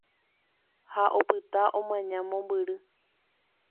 Ha opyta omaña mombyry.